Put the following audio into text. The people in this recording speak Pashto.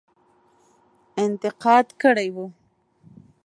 انتقاد کړی وو.